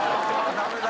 ダメだ